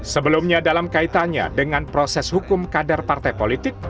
sebelumnya dalam kaitannya dengan proses hukum kader partai politik